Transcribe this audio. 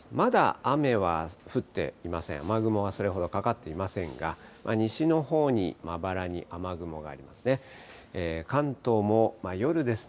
雨雲はそれほどかかっていませんが、西のほうにまばらに雨雲がありますね。